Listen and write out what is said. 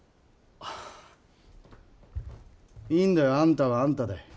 いいんだよ。あんたはあんたで。